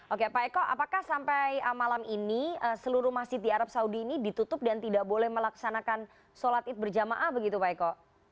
oke pak eko apakah sampai malam ini seluruh masjid di arab saudi ini ditutup dan tidak boleh melaksanakan sholat id berjamaah begitu pak eko